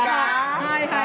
はいはい。